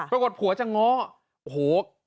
ปรากฏผัวจะง้อโอ้โห